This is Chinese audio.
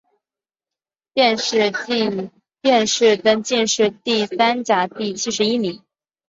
殿试登进士第三甲第七十一名。